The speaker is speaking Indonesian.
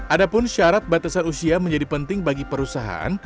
ada pun syarat batasan usia menjadi penting bagi perusahaan